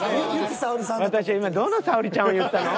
私は今どのさおりちゃんを言ったの？